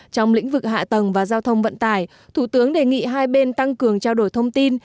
trong lĩnh vực hạ tầng và giao thông vận tải thủ tướng đề nghị hai bên tăng cường trao đổi thông tin